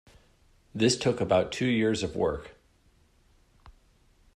This took about two years of work.